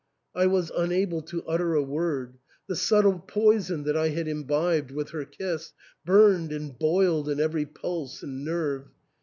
I was unable to utter a word ; the subtle poison that I had imbibed with her kiss burned and boiled in every pulse and nerve.